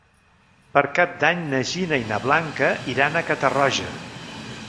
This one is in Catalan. Per Cap d'Any na Gina i na Blanca iran a Catarroja.